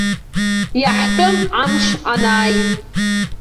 Иаҳтәым амш анааи.